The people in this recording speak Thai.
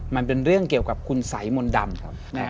มันเป็นเรื่องเกี่ยวกับคุณสัยมนต์ดำครับ